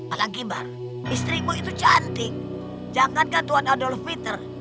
alang kibar istrimu itu cantik jangan jatuh anadol fitr